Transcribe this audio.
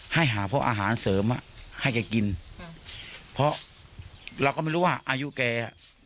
ให้หาพวกอาหารเสริมอ่ะให้แกกินเพราะเราก็ไม่รู้ว่าอายุแก